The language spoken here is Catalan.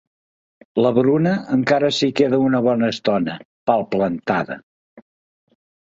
La Bruna encara s'hi queda una bona estona, palplantada.